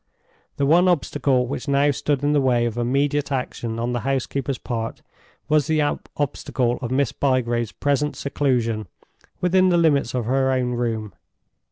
The one obstacle which now stood in the way of immediate action on the housekeeper's part was the obstacle of Miss Bygrave's present seclusion within the limits of her own room.